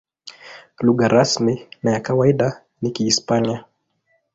Lugha rasmi na ya kawaida ni Kihispania.